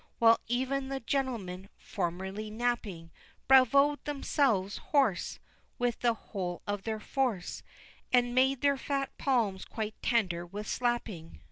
While even the gentlemen formerly napping, "Bravoed" themselves hoarse With the whole of their force, And made their fat palms quite tender with slapping.